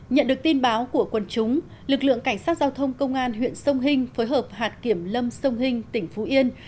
nhận được tin báo của quân chúng lực lượng cảnh sát giao thông công an huyện sông hinh phối hợp hạt kiểm lâm sông hinh tỉnh phú yên